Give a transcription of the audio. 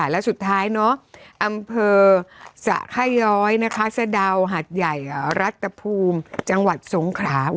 แล้วสุดท้ายอำเภอสะค่าย้อยนะคะสะดาวหัดใหญ่รัฐภูมิจังหวัดสงขรา